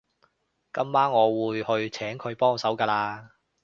今晚我會去請佢幫手㗎喇